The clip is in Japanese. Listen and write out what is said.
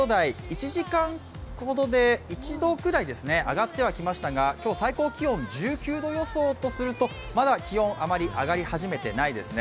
１時間ほどで１度くらい上ってはきましたが、今日、最高気温１９度予想とすると、まだ気温あまり上がり始めていないですね。